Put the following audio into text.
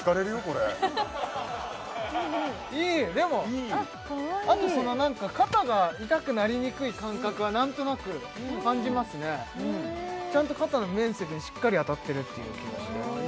これいいでもいいあとなんか肩が痛くなりにくい感覚は何となく感じますねちゃんと肩の面積にしっかり当たってるっていう気がします